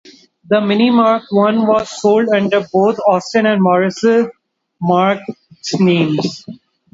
The Mini Mark One was sold under both Austin and Morris marque names.